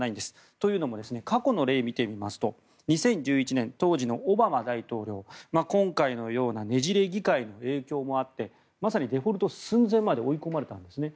というのも過去の例を見てみますと２０１１年、当時のオバマ大統領今回のようなねじれ議会の影響もあってまさにデフォルト寸前まで追い込まれたんですね。